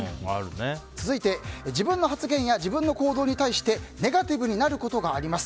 続いて自分の発言や自分の行動についてネガティブになることがあります。